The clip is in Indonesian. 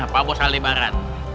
pak bos halebaran